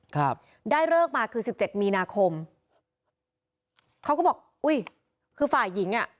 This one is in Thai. ครับได้เลิกมาคือสิบเจ็ดมีนาคมเขาก็บอกอุ้ยคือฝ่ายหญิงอ่ะ